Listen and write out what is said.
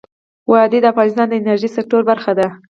وادي د افغانستان د انرژۍ سکتور برخه ده.